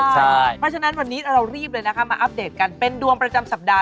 เพราะฉะนั้นวันนี้เรารีบเลยนะคะมาอัปเดตกันเป็นดวงประจำสัปดาห